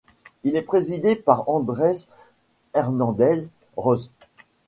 Il est présidé par Andrés Hernández Ros.